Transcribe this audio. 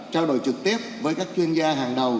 trao đổi trực tiếp với các chuyên gia hàng đầu